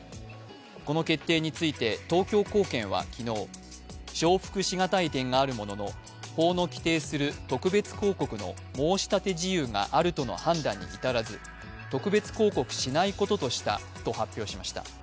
この決定について東京高裁は昨日、承服しがたい点があるものの、法の規定する特別抗告の申立事由があるとの判断に至らず、特別抗告しないこととしたと発表しました。